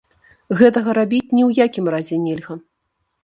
Гэтага рабіць ні ў якім разе нельга.